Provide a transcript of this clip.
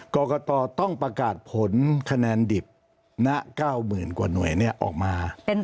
กรกฎอต้องประกาศผลคะแนนดิบจนนึงหน้า๙๐๐๐๐กว่าหน่วยนี้ออกมา